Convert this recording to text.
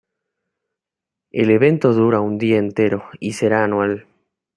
El evento dura un día entero y será anual.